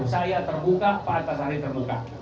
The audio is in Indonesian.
saya terbuka pak antasari terbuka